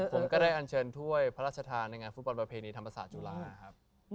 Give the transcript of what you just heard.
ผมก็ได้อันเชิญถ้วยพระราชทธาในงานฝุ่นปลาเภนีธรรมศาติจุฬาน